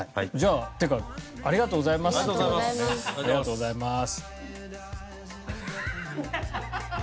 ありがとうございます。